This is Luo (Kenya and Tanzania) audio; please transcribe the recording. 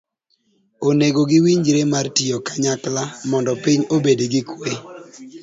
onego giwinjre mar tiyo kanyakla mondo piny obed gi kwe.